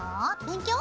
勉強？